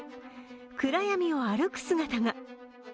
暗闇を歩く姿が。